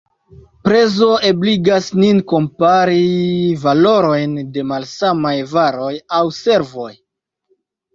Prezo ebligas nin kompari valorojn de malsamaj varoj aŭ servoj.